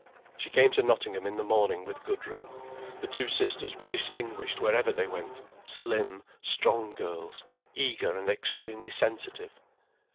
She came to Nottingham in the morning with Gudrun. The two sisters were distinguished wherever they went, slim, strong girls, eager and extremely sensitive.